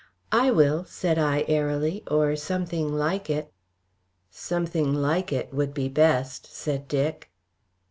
"I will," said I, airily, "or something like it." "Something like it would be best," said Dick.